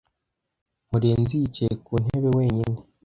Murenzi yicaye ku ntebe wenyine.